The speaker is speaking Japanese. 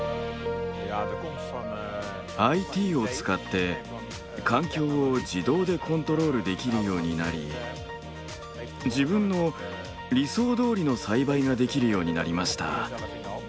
ＩＴを使って環境を自動でコントロールできるようになり自分の理想どおりの栽培ができるようになりました。